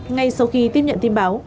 ngay sau khi tiếp nhận tin báo